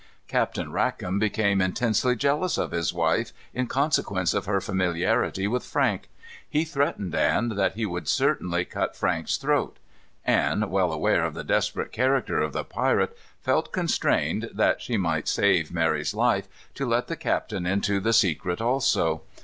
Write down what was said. Captain Rackam became intensely jealous of his wife, in consequence of her familiarity with Frank. He threatened Anne that he would certainly cut Frank's throat. Anne, well aware of the desperate character of the pirate, felt constrained, that she might save Mary's life, to let the captain into the secret also.